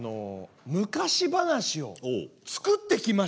昔話を作ってきました。